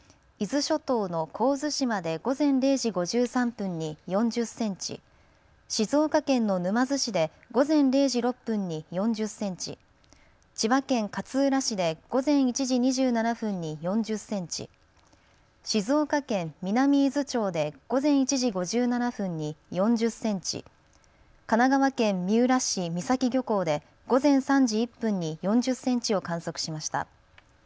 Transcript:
伊豆諸島の神津島で午前０時５３分に４０・、静岡県の沼津市で午前０時６分に４０センチ、千葉県勝浦市で午前１時２７分に４０センチ、静岡県南伊豆町で午前１時５７分に４０センチ、神奈川県三浦市三崎漁港で午前３時１分に４０センチを観測しました。